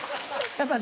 やっぱり。